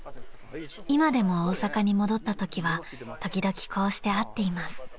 ［今でも大阪に戻ったときは時々こうして会っています］